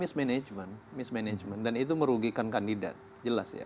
mismanagement mismanagement dan itu merugikan kandidat jelas ya